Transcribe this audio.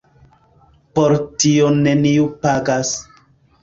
Por tio neniu pagas.